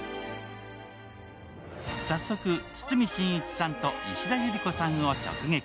早速、堤真一さんと石田ゆり子さんを直撃。